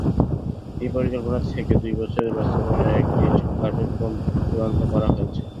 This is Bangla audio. এই পরিকল্পনা থেকে দুই বছরে বাস্তবায়নের একটি কার্যক্রম চূড়ান্ত করা হয়েছে।